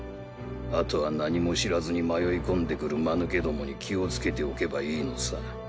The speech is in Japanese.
あとは何も知らずに迷い込んでくるマヌケどもに気を付けておけばいいのさ。